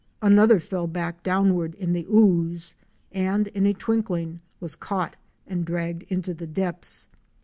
Another fell back downward in the ooze, and in a twinkling was caught and dragged into the depths.